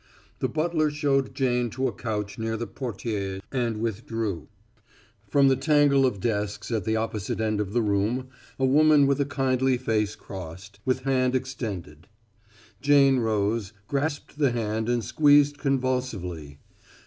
The butler showed Jane to a couch near the portières and withdrew. From the tangle of desks at the opposite end of the room, a woman with a kindly face crossed, with hand extended. Jane rose, grasped the hand and squeezed convulsively.